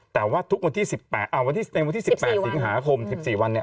แต่ว่าในวันที่๑๘สิงหาโคม๑๔วันนี่